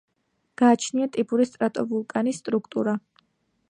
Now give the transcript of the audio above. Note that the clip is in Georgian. გააჩნია ტიპური სტრატოვულკანის სტრუქტურა.